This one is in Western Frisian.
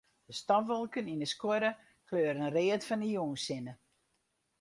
De stofwolken yn 'e skuorre kleuren read fan de jûnssinne.